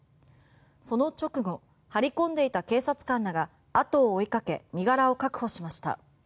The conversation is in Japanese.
その直後張り込んでいた警察官らが後を追いかけ身柄を確保しました。